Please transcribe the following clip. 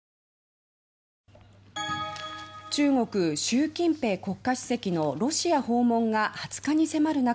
中国・習近平国家主席のロシア訪問が２０日に迫る中